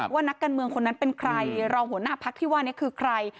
ว่านักการเมืองคนนั้นเป็นใครรองหัวหน้าพักที่ว่านี้คือใคร